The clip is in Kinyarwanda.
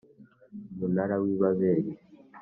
Umunara w’ibaberi.